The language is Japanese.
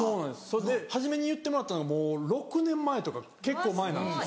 それで初めに言ってもらったのがもう６年前とか結構前なんですけど。